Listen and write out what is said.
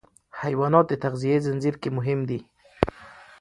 حیوانات د تغذیې زنجیر کې مهم دي.